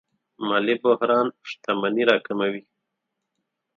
مالي بحران شتمني راکموي.